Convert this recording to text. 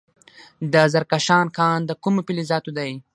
د زرکشان کان د کومو فلزاتو دی؟